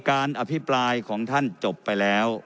อภิปรายของท่านจบไปแล้ว